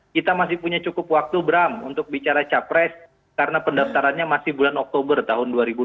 kita masih punya cukup waktu bram untuk bicara capres karena pendaftarannya masih bulan oktober tahun dua ribu dua puluh